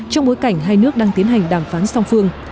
trong bối cảnh hai nước đang tiến hành đàm phán song phương